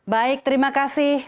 baik terima kasih